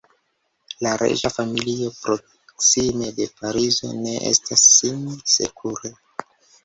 La reĝa familio, proksime de Parizo, ne sentas sin sekure.